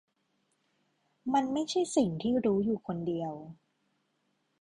มันไม่ใช่สิ่งที่รู้อยู่คนเดียว